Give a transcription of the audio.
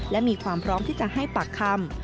และมีความพร้อมที่จะให้ปากคำ